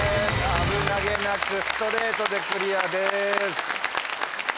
危なげなくストレートでクリアです。